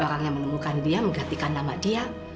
orang yang menemukan dia menggantikan nama dia